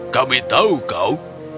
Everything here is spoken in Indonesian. kami tahu kau